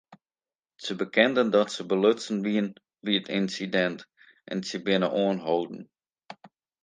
Sy bekenden dat se belutsen wiene by it ynsidint en se binne oanholden.